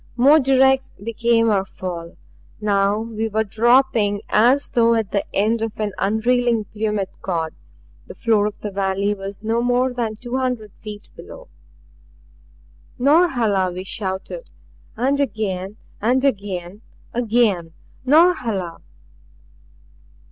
More direct became our fall. Now we were dropping as though at the end of an unreeling plummet cord; the floor of the valley was no more than two hundred feet below. "Norhala!" we shouted; and again and again again "Norhala!"